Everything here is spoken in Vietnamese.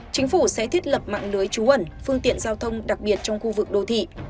chính phủ sẽ thiết lập mạng lưới trú ẩn phương tiện giao thông đặc biệt trong khu vực đô thị